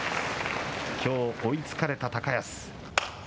きょう追いつかれた高安。